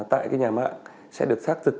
tại cái nhà mạng sẽ được xác thực